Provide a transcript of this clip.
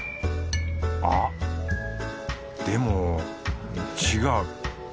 あっでも違う。